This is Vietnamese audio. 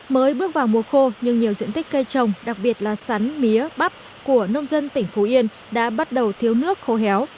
mới bước vào mùa khô nhưng nhiều diện tích cây trồng đặc biệt là sắn mía bắp của nông dân tỉnh phú yên đã bắt đầu thiếu nước khô héo